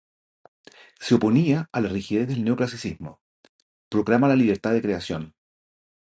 Se oponía a la rigidez del neoclasicismo. Proclama la libertad de creación.